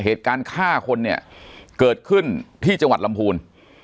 เหตุการณ์ฆ่าคนเนี่ยเกิดขึ้นที่จังหวัดลำพูน